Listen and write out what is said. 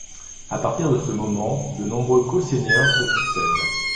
À partir de ce moment, de nombreux co-seigneurs se succèdent.